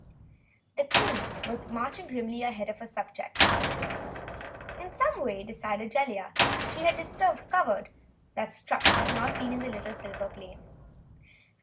The Queen was marching grimly ahead of her subjects. In some way, decided Jellia, she had discovered Strut had not been in the silver plane.